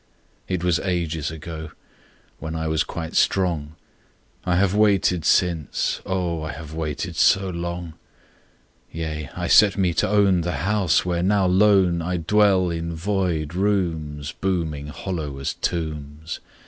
It was ages ago, When I was quite strong: I have waited since,—O, I have waited so long! —Yea, I set me to own The house, where now lone I dwell in void rooms Booming hollow as tombs!